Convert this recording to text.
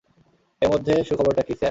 এর মধ্যে সুখবরটা কী, স্যার?